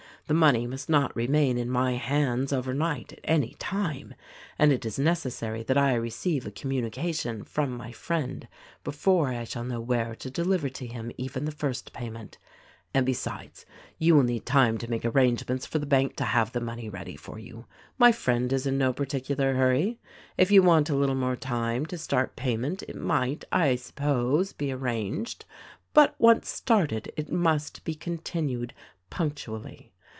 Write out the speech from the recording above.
The money must not remain in my hands over night at any time, and it is necessary th.t I receive a communica tion from my friend before I shall know where to deliver to him even the first payment ; and, besides, you will need time to make arrangements for the bank to have the money ready for you. My friend is in no particular hurry. If you want a little more time to start payment it might, I suppose, be arranged ; but once started it must be continued punctual ly.